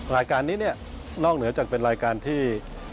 รายการนี้เนี่ยนอกเหนือจากเป็นรายการที่